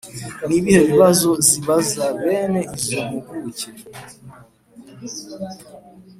Nibihe bibazo zibaza bene izo mpuguke